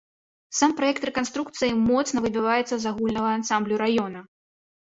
Сам праект рэканструкцыі моцна выбівацца з агульнага ансамблю раёна.